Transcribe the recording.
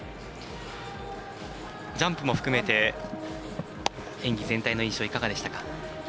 ジャンプも含めて演技全体の印象いかがでしたか？